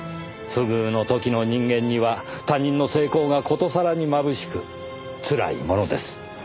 不遇の時の人間には他人の成功が殊更にまぶしくつらいものです。